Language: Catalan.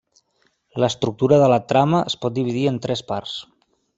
L'estructura de la trama es pot dividir en tres parts.